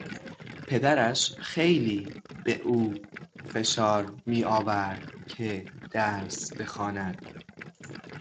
پدرش خیلی به او فشار میآورد که درس بخواند.